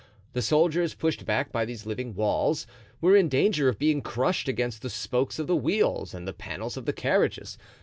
The soldiers, pushed back by these living walls, were in danger of being crushed against the spokes of the wheels and the panels of the carriages.